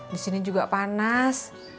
disini juga panas